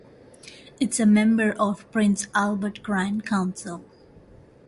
It is a member of the Prince Albert Grand Council.